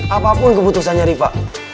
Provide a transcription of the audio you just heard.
apapun keputusannya riva